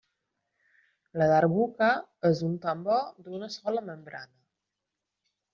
La darbukka és un tambor d'una sola membrana.